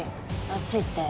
あっち行って。